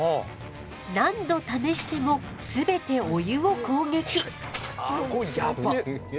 何度試してもすべてお湯を攻撃。